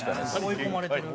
追い込まれてる。